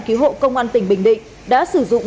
cứu hộ công an tỉnh bình định đã sử dụng